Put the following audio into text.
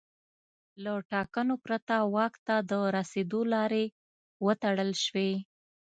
له ټاکنو پرته واک ته د رسېدو لارې وتړل شوې.